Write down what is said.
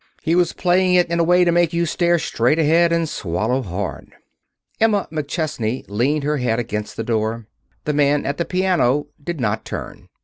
He was playing it in a way to make you stare straight ahead and swallow hard. Emma McChesney leaned her head against the door. The man at the piano did not turn.